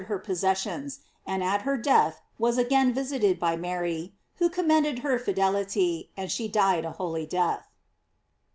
her possessions, and at her death was again visited by Mary, who commended her fidelity, and she died a holy death.